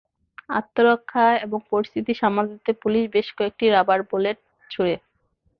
আত্মরক্ষায় এবং পরিস্থিতি সামাল দিতে পুলিশ বেশ কয়েকটি রাবার বুলেট ছোড়ে।